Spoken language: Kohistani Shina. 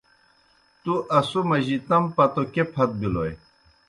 تُوْ اسو مجیْ تم پتو کیْہ پھت بِلَوئے؟